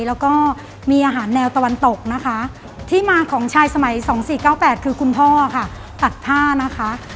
แล้วก็มีอาหารแนวตะวันตกที่มาของชายสมัย๒๔๙๘คือคุณพ่อตัดท่า